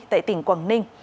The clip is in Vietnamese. tại tỉnh quảng ninh